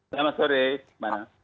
selamat sore mbak nana